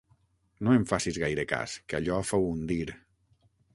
No en facis gaire cas, que allò fou un dir!